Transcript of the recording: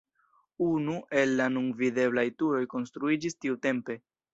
Unu el la nun videblaj turoj konstruiĝis tiutempe.